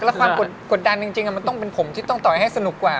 แล้วความกดดันจริงมันต้องเป็นผมที่ต้องต่อยให้สนุกกว่า